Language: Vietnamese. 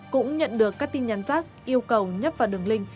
cũng nhận được các tin nhắn rác yêu cầu nhấp vào đường link